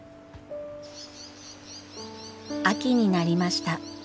秋になりました。